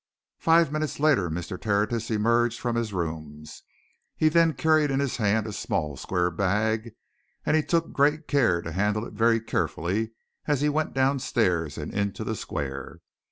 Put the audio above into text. Five minutes later Mr. Tertius emerged from his rooms. He then carried in his hand a small, square bag, and he took great care to handle it very carefully as he went downstairs and into the square.